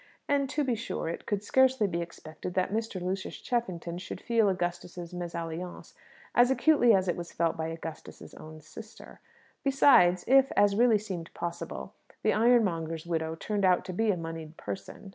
And, to be sure, it could scarcely be expected that Mr. Lucius Cheffington should feel Augustus's mésalliance as acutely as it was felt by Augustus's own sister. Besides, if, as really seemed possible, the ironmonger's widow turned out to be a moneyed person